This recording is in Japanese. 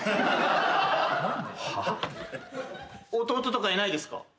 弟とかいないですか？